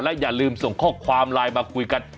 อย่าลืมส่งข้อความไลน์มาคุยกัน